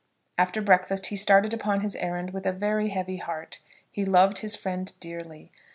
After breakfast he started upon his errand with a very heavy heart. He loved his friend dearly.